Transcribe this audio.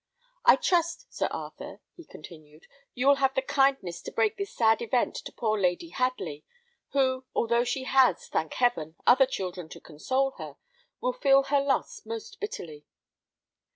I trust, Sir Arthur," he continued, "you will have the kindness to break this sad event to poor Lady Hadley, who, although she has, thank heaven, other children to console her, will feel her loss most bitterly."